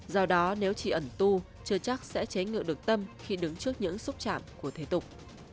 do đó nếu chỉ ẩn tu chưa chắc sẽ cháy ngựa được tâm khi đứng trước những xúc chạm của thể tục